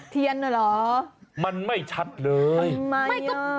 เทียนหรอมันไม่ชัดเลยทำไมอ่ะ